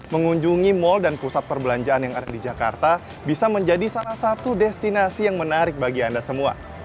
mengunjungi mal dan pusat perbelanjaan yang ada di jakarta bisa menjadi salah satu destinasi yang menarik bagi anda semua